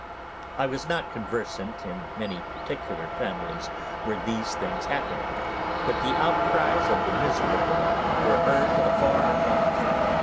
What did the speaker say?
I was not conversant in many particular families where these things happened, but the outcries of the miserable were heard afar off.